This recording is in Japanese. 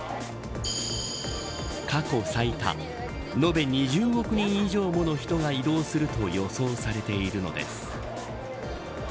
過去最多延べ２０億人以上もの人が移動すると予想されているのです。